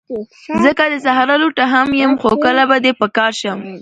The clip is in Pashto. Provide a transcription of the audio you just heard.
زه که د صحرا لوټه هم یم، خو کله به دي په کار شم